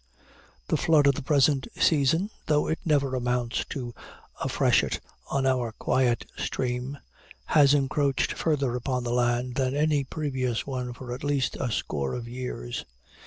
The flood of the present season, though it never amounts to a freshet on our quiet stream, has encroached farther upon the land than any previous one for at least a score of years.